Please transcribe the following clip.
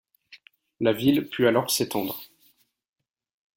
La ville put alors s'étendre.